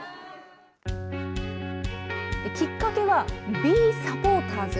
きっかけは、ビー・サポーターズ。